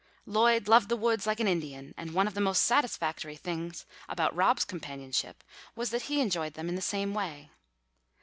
Lloyd loved the woods like an Indian, and one of the most satisfactory things about Rob's companionship was that he enjoyed them in the same way.